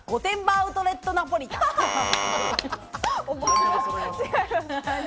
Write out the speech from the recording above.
アウトレットナポリタ違います。